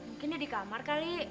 mungkin dia di kamar kali